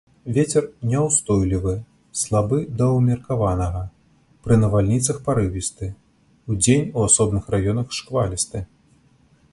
Вецер няўстойлівы, слабы да ўмеркаванага, пры навальніцах парывісты, удзень у асобных раёнах шквалісты.